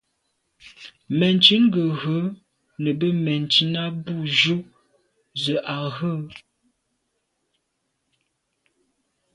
Mɛ̀ntchìn gə̀ rə̌ nə̀ bə́ mɛ̀ntchìn á bû jû zə̄ à rə̂.